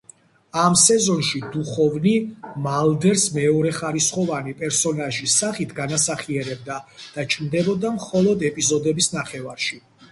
ამ სეზონში დუხოვნი მალდერს მეორეხარისხოვანი პერსონაჟის სახით განასახიერებდა და ჩნდებოდა მხოლოდ ეპიზოდების ნახევარში.